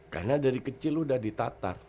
karena dari kecil lu udah ditatar